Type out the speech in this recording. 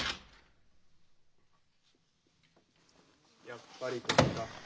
やっぱりここか。